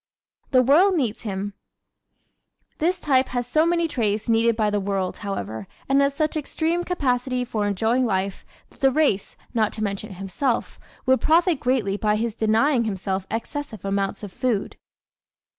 The World Needs Him ¶ This type has so many traits needed by the world, however, and has such extreme capacity for enjoying life that the race, not to mention himself, would profit greatly by his denying himself excessive amounts of food.